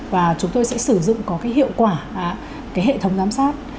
và chúng tôi sẽ sử dụng có hiệu quả hệ thống giám sát